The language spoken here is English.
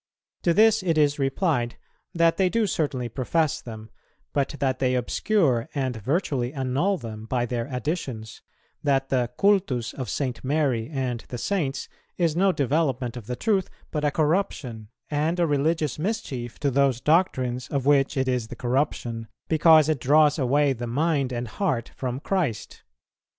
To this it is replied that they do certainly profess them, but that they obscure and virtually annul them by their additions; that the cultus of St. Mary and the Saints is no development of the truth, but a corruption and a religious mischief to those doctrines of which it is the corruption, because it draws away the mind and heart from Christ.